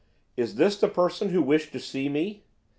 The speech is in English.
'Is this the person who wished to see me?